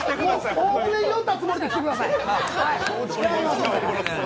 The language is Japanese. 大船に乗ったつもりで来てください。